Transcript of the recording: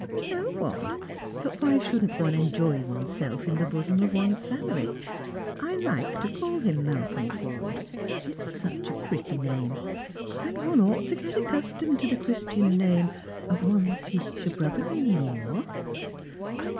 " No one ; but why shouldn't one enjoy oneself in the bosom of one's family. I like to call him Malcolm Forde, it's such a pretty name ; and one ought to get accustomed to tha Christian name of one's future brother in law."